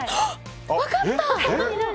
分かった！